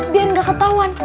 biar gak ketauan